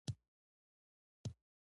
پامیر د افغانانو د تفریح یوه ښه وسیله ده.